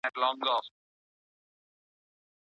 ولي لېواله انسان د مستحق سړي په پرتله بریا خپلوي؟